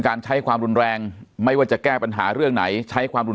การใช้ความรุนแรงไม่ว่าจะแก้ปัญหาเรื่องไหนใช้ความรุนแรง